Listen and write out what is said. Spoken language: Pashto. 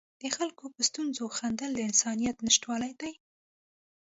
د خلکو په ستونزو خندل د انسانیت نشتوالی دی.